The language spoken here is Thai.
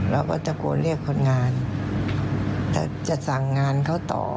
เราก็ตะโกนเรียกคนงานจะสั่งงานเขาต่อ